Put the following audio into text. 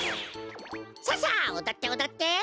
ささっおどっておどって！